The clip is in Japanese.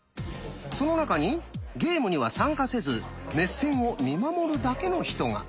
その中にゲームには参加せず熱戦を見守るだけの人が。